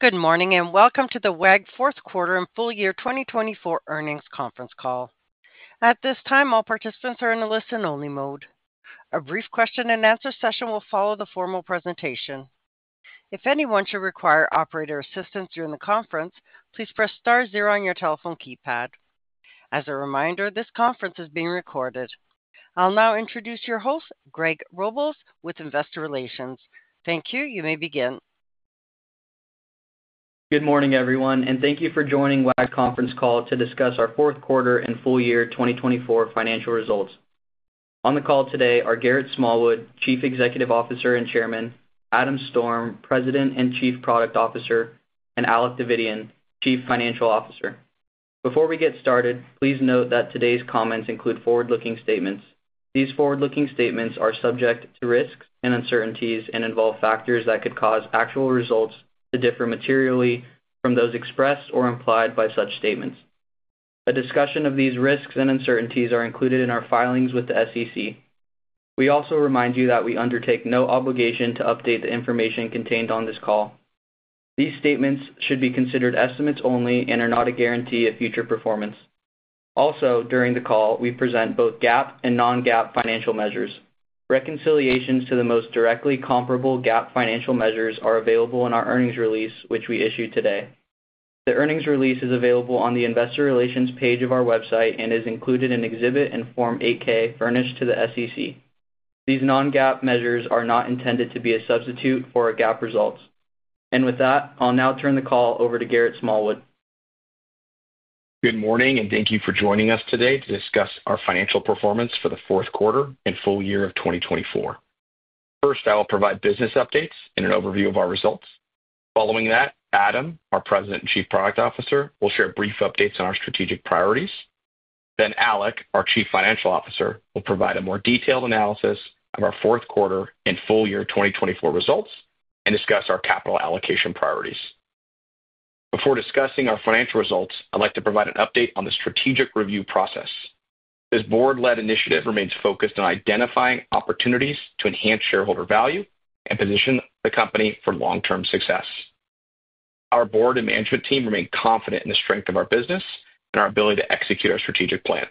Good morning and welcome to the Wag! Fourth Quarter and Full Year 2024 earnings conference call. At this time, all participants are in a listen-only mode. A brief question-and-answer session will follow the formal presentation. If anyone should require operator assistance during the conference, please press star zero on your telephone keypad. As a reminder, this conference is being recorded. I'll now introduce your host, Greg Robles, with Investor Relations. Thank you. You may begin. Good morning, everyone, and thank you for joining Wag! Conference Call to discuss our fourth quarter and full year 2024 financial results. On the call today are Garrett Smallwood, Chief Executive Officer and Chairman; Adam Storm, President and Chief Product Officer; and Alec Davidian, Chief Financial Officer. Before we get started, please note that today's comments include forward-looking statements. These forward-looking statements are subject to risks and uncertainties and involve factors that could cause actual results to differ materially from those expressed or implied by such statements. A discussion of these risks and uncertainties is included in our filings with the SEC. We also remind you that we undertake no obligation to update the information contained on this call. These statements should be considered estimates only and are not a guarantee of future performance. Also, during the call, we present both GAAP and non-GAAP financial measures. Reconciliations to the most directly comparable GAAP financial measures are available in our earnings release, which we issued today. The earnings release is available on the Investor Relations page of our website and is included in Exhibit in Form 8-K furnished to the SEC. These non-GAAP measures are not intended to be a substitute for GAAP results. I will now turn the call over to Garrett Smallwood. Good morning and thank you for joining us today to discuss our financial performance for the fourth quarter and full year of 2024. First, I'll provide business updates and an overview of our results. Following that, Adam, our President and Chief Product Officer, will share brief updates on our strategic priorities. Alec, our Chief Financial Officer, will provide a more detailed analysis of our fourth quarter and full year 2024 results and discuss our capital allocation priorities. Before discussing our financial results, I'd like to provide an update on the strategic review process. This board-led initiative remains focused on identifying opportunities to enhance shareholder value and position the company for long-term success. Our board and management team remain confident in the strength of our business and our ability to execute our strategic plan.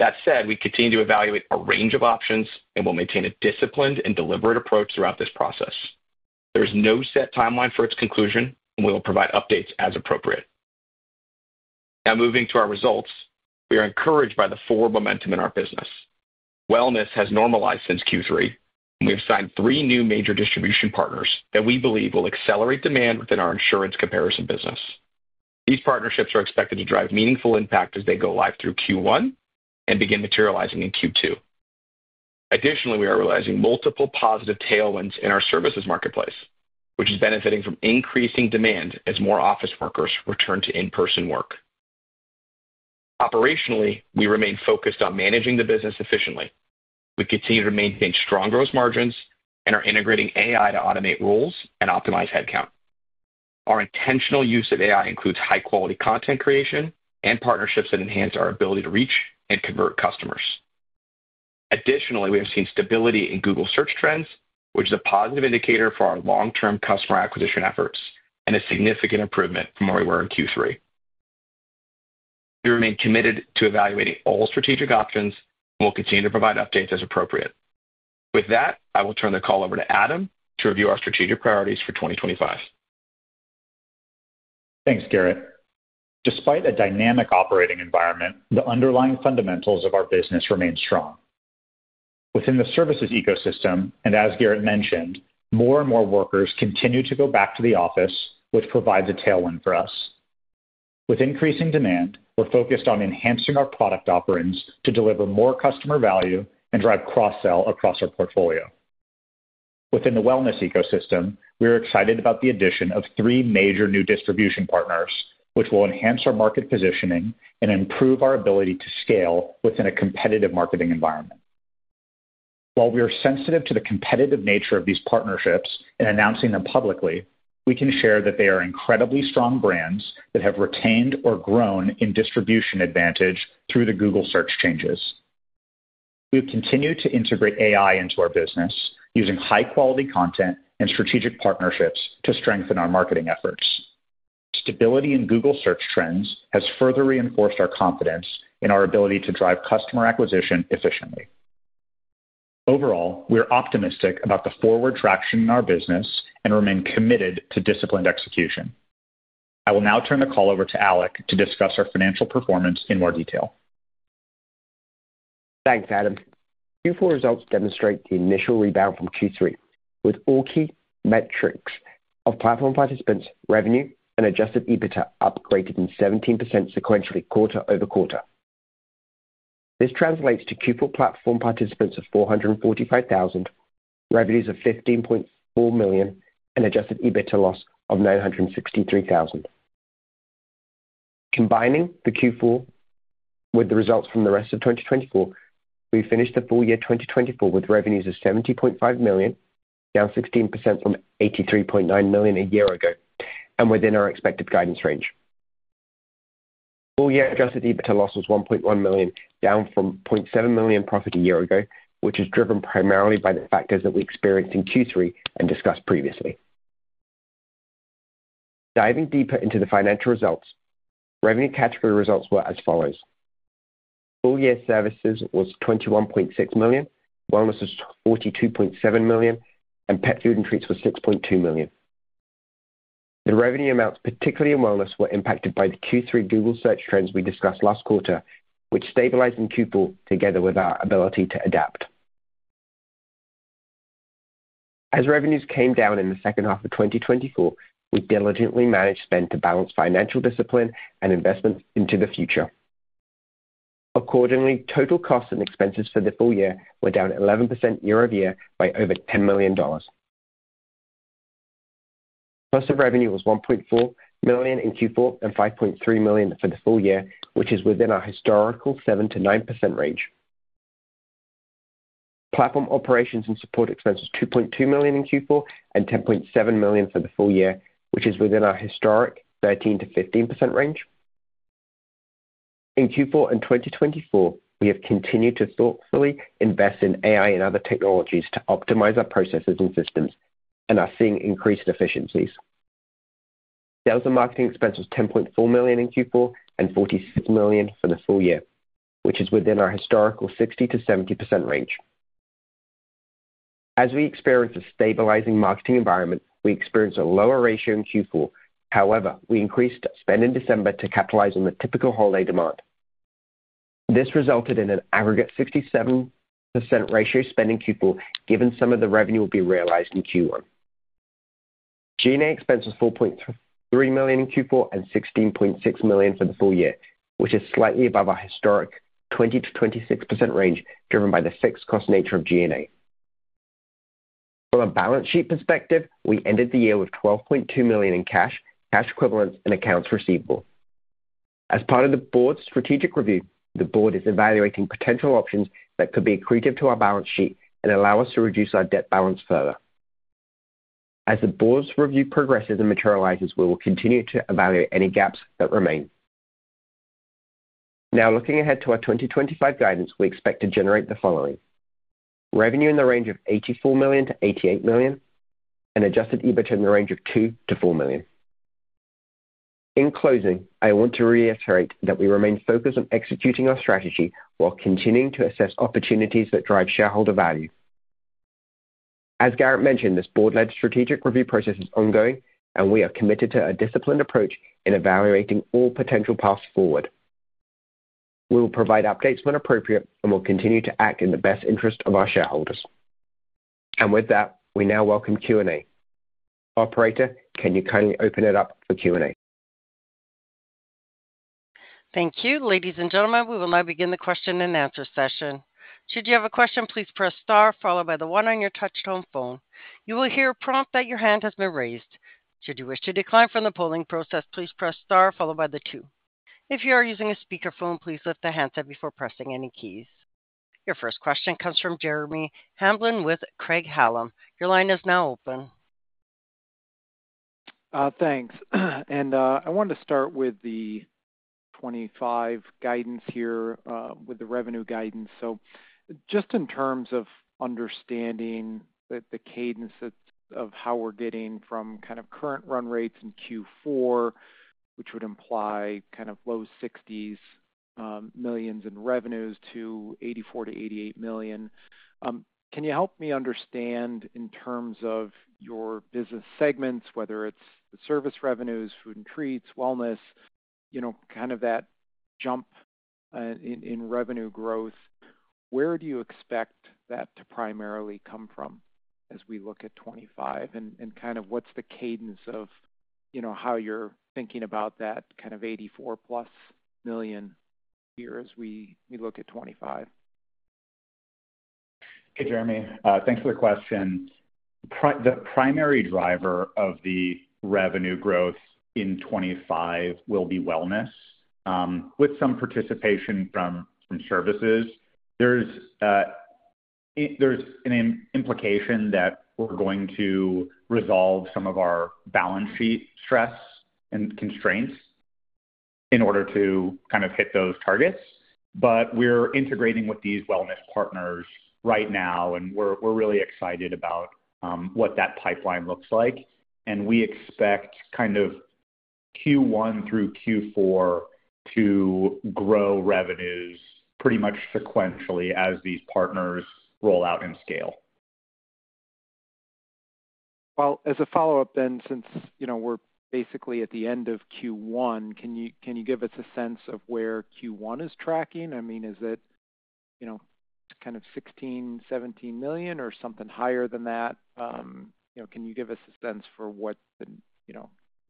That said, we continue to evaluate a range of options and will maintain a disciplined and deliberate approach throughout this process. There is no set timeline for its conclusion, and we will provide updates as appropriate. Now, moving to our results, we are encouraged by the forward momentum in our business. Wellness has normalized since Q3, and we have signed three new major distribution partners that we believe will accelerate demand within our insurance comparison business. These partnerships are expected to drive meaningful impact as they go live through Q1 and begin materializing in Q2. Additionally, we are realizing multiple positive tailwinds in our services marketplace, which is benefiting from increasing demand as more office workers return to in-person work. Operationally, we remain focused on managing the business efficiently. We continue to maintain strong gross margins and are integrating AI to automate rules and optimize headcount. Our intentional use of AI includes high-quality content creation and partnerships that enhance our ability to reach and convert customers. Additionally, we have seen stability in Google search trends, which is a positive indicator for our long-term customer acquisition efforts and a significant improvement from where we were in Q3. We remain committed to evaluating all strategic options and will continue to provide updates as appropriate. With that, I will turn the call over to Adam to review our strategic priorities for 2025. Thanks, Garrett. Despite a dynamic operating environment, the underlying fundamentals of our business remain strong. Within the services ecosystem, and as Garrett mentioned, more and more workers continue to go back to the office, which provides a tailwind for us. With increasing demand, we're focused on enhancing our product offerings to deliver more customer value and drive cross-sell across our portfolio. Within the wellness ecosystem, we are excited about the addition of three major new distribution partners, which will enhance our market positioning and improve our ability to scale within a competitive marketing environment. While we are sensitive to the competitive nature of these partnerships and announcing them publicly, we can share that they are incredibly strong brands that have retained or grown in distribution advantage through the Google search changes. We continue to integrate AI into our business, using high-quality content and strategic partnerships to strengthen our marketing efforts. Stability in Google search trends has further reinforced our confidence in our ability to drive customer acquisition efficiently. Overall, we are optimistic about the forward traction in our business and remain committed to disciplined execution. I will now turn the call over to Alec to discuss our financial performance in more detail. Thanks, Adam. Q4 results demonstrate the initial rebound from Q3, with all key metrics of platform participants, revenue, and adjusted EBITDA up greater than 17% sequentially quarter over quarter. This translates to Q4 platform participants of 445,000, revenues of $15.4 million, and adjusted EBITDA loss of $963,000. Combining the Q4 with the results from the rest of 2024, we finished the full year 2024 with revenues of $70.5 million, down 16% from $83.9 million a year ago, and within our expected guidance range. Full year adjusted EBITDA loss was $1.1 million, down from $0.7 million profit a year ago, which is driven primarily by the factors that we experienced in Q3 and discussed previously. Diving deeper into the financial results, revenue category results were as follows. Full year services was $21.6 million, wellness was $42.7 million, and pet food and treats was $6.2 million. The revenue amounts, particularly in Wellness, were impacted by the Q3 Google search trends we discussed last quarter, which stabilized in Q4 together with our ability to adapt. As revenues came down in the second half of 2024, we diligently managed spend to balance financial discipline and investments into the future. Accordingly, total costs and expenses for the full year were down 11% year over year by over $10 million. Cost of revenue was $1.4 million in Q4 and $5.3 million for the full year, which is within our historical 7%-9% range. Platform operations and support expenses were $2.2 million in Q4 and $10.7 million for the full year, which is within our historic 13%-15% range. In Q4 and 2024, we have continued to thoughtfully invest in AI and other technologies to optimize our processes and systems and are seeing increased efficiencies. Sales and marketing expenses were $10.4 million in Q4 and $46 million for the full year, which is within our historical 60%-70% range. As we experience a stabilizing marketing environment, we experience a lower ratio in Q4. However, we increased spend in December to capitalize on the typical holiday demand. This resulted in an aggregate 67% ratio spend in Q4, given some of the revenue will be realized in Q1. G&A expenses were $4.3 million in Q4 and $16.6 million for the full year, which is slightly above our historic 20%-26% range, driven by the fixed cost nature of G&A. From a balance sheet perspective, we ended the year with $12.2 million in cash, cash equivalents, and accounts receivable. As part of the board's strategic review, the board is evaluating potential options that could be accretive to our balance sheet and allow us to reduce our debt balance further. As the board's review progresses and materializes, we will continue to evaluate any gaps that remain. Now, looking ahead to our 2025 guidance, we expect to generate the following: revenue in the range of $84 million-$88 million, and adjusted EBITDA in the range of $2 million-$4 million. In closing, I want to reiterate that we remain focused on executing our strategy while continuing to assess opportunities that drive shareholder value. As Garrett mentioned, this board-led strategic review process is ongoing, and we are committed to a disciplined approach in evaluating all potential paths forward. We will provide updates when appropriate and will continue to act in the best interest of our shareholders. With that, we now welcome Q&A. Operator, can you kindly open it up for Q&A? Thank you. Ladies and gentlemen, we will now begin the question and answer session. Should you have a question, please press star, followed by the one on your touch-tone phone. You will hear a prompt that your hand has been raised. Should you wish to decline from the polling process, please press star, followed by the two. If you are using a speakerphone, please lift the handset before pressing any keys. Your first question comes from Jeremy Hamblin with Craig-Hallum. Your line is now open. Thanks. I wanted to start with the '25 guidance here with the revenue guidance. Just in terms of understanding the cadence of how we're getting from kind of current run rates in Q4, which would imply kind of low $60 million in revenues to $84-$88 million. Can you help me understand in terms of your business segments, whether it's the service revenues, food and treats, wellness, kind of that jump in revenue growth, where do you expect that to primarily come from as we look at 2025? Kind of what's the cadence of how you're thinking about that kind of $84-plus million here as we look at 2025? Hey, Jeremy. Thanks for the question. The primary driver of the revenue growth in 2025 will be wellness, with some participation from services. There's an implication that we're going to resolve some of our balance sheet stress and constraints in order to kind of hit those targets. We're integrating with these wellness partners right now, and we're really excited about what that pipeline looks like. We expect kind of Q1 through Q4 to grow revenues pretty much sequentially as these partners roll out and scale. As a follow-up then, since we're basically at the end of Q1, can you give us a sense of where Q1 is tracking? I mean, is it kind of $16 million, $17 million, or something higher than that? Can you give us a sense for what the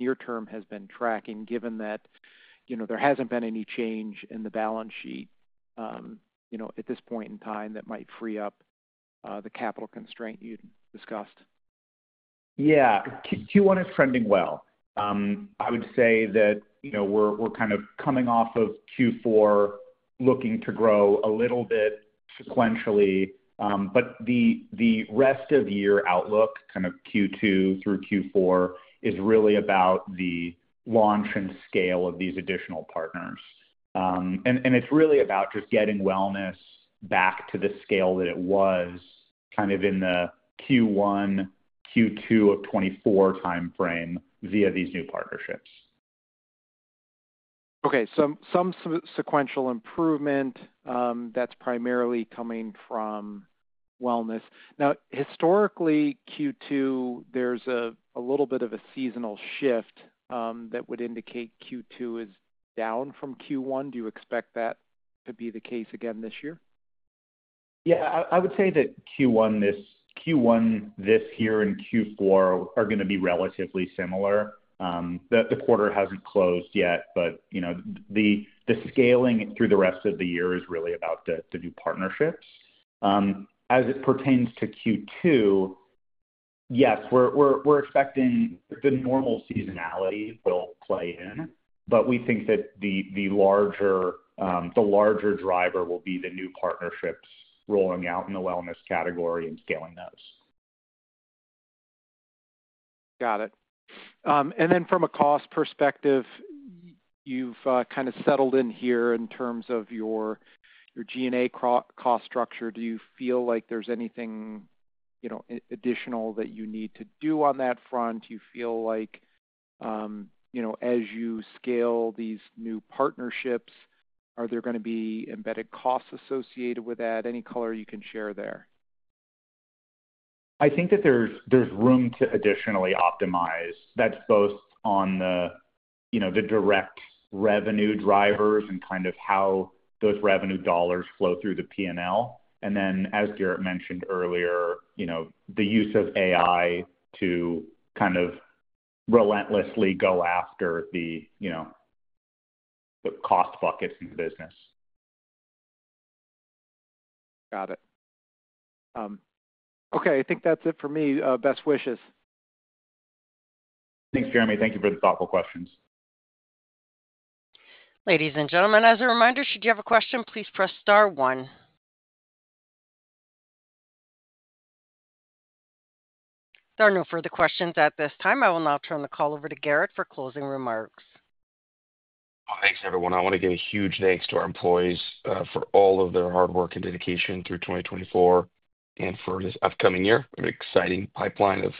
near-term has been tracking, given that there hasn't been any change in the balance sheet at this point in time that might free up the capital constraint you discussed? Yeah. Q1 is trending well. I would say that we're kind of coming off of Q4, looking to grow a little bit sequentially. The rest of year outlook, kind of Q2 through Q4, is really about the launch and scale of these additional partners. It is really about just getting wellness back to the scale that it was kind of in the Q1, Q2 of 2024 timeframe via these new partnerships. Okay. Some sequential improvement that's primarily coming from wellness. Now, historically, Q2, there's a little bit of a seasonal shift that would indicate Q2 is down from Q1. Do you expect that to be the case again this year? Yeah. I would say that Q1 this year and Q4 are going to be relatively similar. The quarter hasn't closed yet, but the scaling through the rest of the year is really about the new partnerships. As it pertains to Q2, yes, we're expecting the normal seasonality will play in, but we think that the larger driver will be the new partnerships rolling out in the wellness category and scaling those. Got it. From a cost perspective, you've kind of settled in here in terms of your G&A cost structure. Do you feel like there's anything additional that you need to do on that front? Do you feel like as you scale these new partnerships, are there going to be embedded costs associated with that? Any color you can share there? I think that there's room to additionally optimize. That's both on the direct revenue drivers and kind of how those revenue dollars flow through the P&L. As Garrett mentioned earlier, the use of AI to kind of relentlessly go after the cost buckets in the business. Got it. Okay. I think that's it for me. Best wishes. Thanks, Jeremy. Thank you for the thoughtful questions. Ladies and gentlemen, as a reminder, should you have a question, please press star one. There are no further questions at this time. I will now turn the call over to Garrett for closing remarks. Thanks, everyone. I want to give a huge thanks to our employees for all of their hard work and dedication through 2024 and for this upcoming year, an exciting pipeline of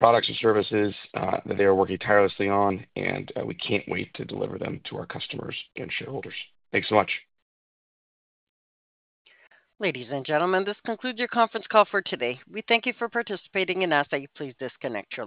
products and services that they are working tirelessly on, and we can't wait to deliver them to our customers and shareholders. Thanks so much. Ladies and gentlemen, this concludes your conference call for today. We thank you for participating and ask that you please disconnect your lines.